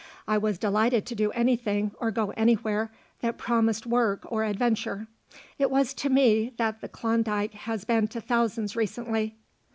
I was delighted to do anything, or go anywhere, that promised work or adventure. It was to me what the Klondike has been to thousands recently.